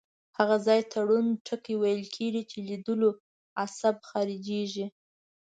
هغه ځای ته ړوند ټکی ویل کیږي چې لیدلو عصب خارجیږي.